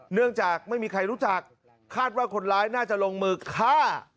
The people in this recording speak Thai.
เนื่องจากไม่มีใครรู้จักคาดว่าคนร้ายน่าจะลงมือฆ่า